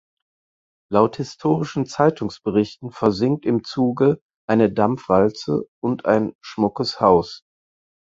Laut historischen Zeitungsberichten versinken im Zuge "eine Dampfwalze" und ein "schmuckes Haus".